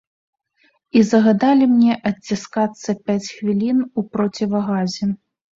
І загадалі мне адціскацца пяць хвілін у процівагазе.